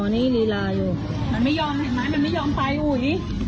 นี่ลีลาอยู่มันไม่ยอมเห็นไหมมันไม่ยอมไปอุ้ย